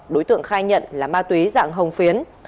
đối tượng khai nhận là ma túy dạng hồng phiến